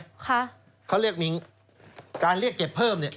ค่ะเขาเรียกมิ้งการเรียกเก็บเพิ่มเนี่ย